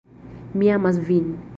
Mi amas vin